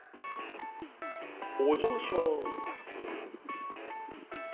おじゃまします。